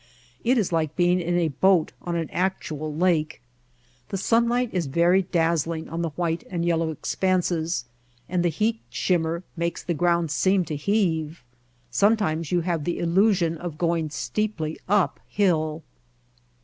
It is like being in a boat on an actual lake. The sunlight is very dazzling on the white and yellow expanses and the heat shimmer makes the White Heart of Mojave ground seem to heave. Sometimes you have the illusion of going steeply up hill.